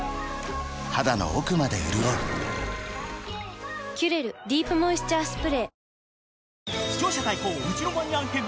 肌の奥まで潤う「キュレルディープモイスチャースプレー」